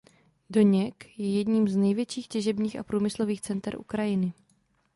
Doněck je jedním z největších těžebních a průmyslových center Ukrajiny.